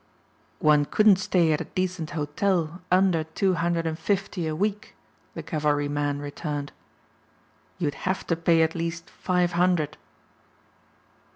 "One couldn't stay at a decent hotel under two hundred and fifty a week," the cavalryman returned. "You'd have to pay at least five hundred."